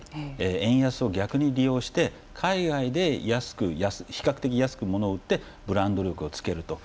円安を逆に利用して海外で比較的、安く物を売ってブランド力をつけると。